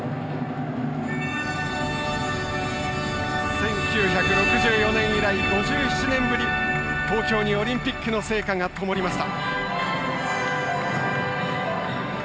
１９６４年以来５７年ぶり東京にオリンピックの聖火がともりました。